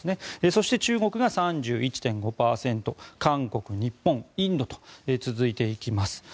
そして中国が３１．５％韓国、日本、インドと続いていきます。